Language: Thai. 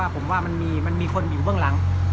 ผมว่ามันมีคนอยู่เบื้องหลัง